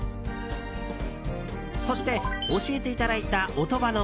そして、教えていただいた音羽ノ